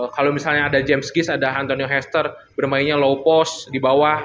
kalau misalnya ada james kis ada antonio hester bermainnya low post di bawah